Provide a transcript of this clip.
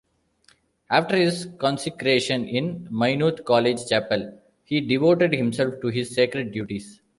After his consecration in Maynooth College chapel, he devoted himself to his sacred duties.